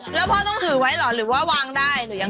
แล้วพ่อต้องถือไว้เหรอหรือว่าวางได้หนูยัง